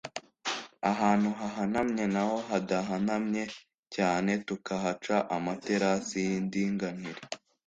ahantu hahanamye naho ahadahanamye cyane tukahaca amaterasi y’indinganire.